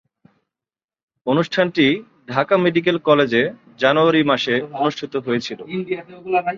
অনুষ্ঠানটি ঢাকা মেডিকেল কলেজে জানুয়ারি মাসে অনুষ্ঠিত হয়েছিলো।